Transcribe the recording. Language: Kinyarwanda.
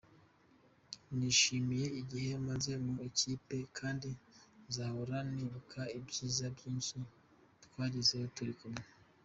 Nishimiye igihe maze mu ikipe kandi nzahora nibuka ibyiza byinshi twagezeho turi kumwe.